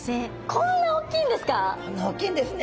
こんなおっきいんですね。